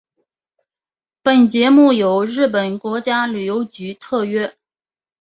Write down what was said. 本节目由日本国家旅游局特约。